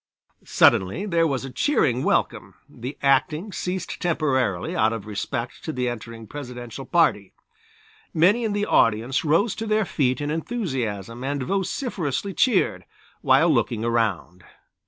Suddenly there was a cheering welcome, the acting ceased temporarily out of respect to the entering Presidential party. Many in the audience rose to their feet in enthusiasm and vociferously cheered, while looking around.